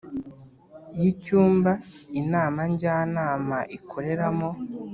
y icyumba Inama Njyanama ikoreramo